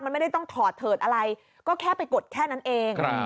มันไม่ได้ต้องถอดเถิดอะไรก็แค่ไปกดแค่นั้นเอง